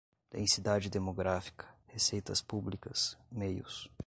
densidade demográfica, receitas públicas, meios